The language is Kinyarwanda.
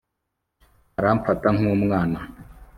aramfata nk'umwana